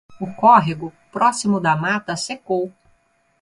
O córrego, próximo da mata, secou!